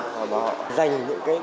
và họ dành